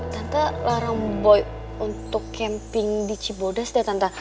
tante larang boy untuk camping di cibodas deh tante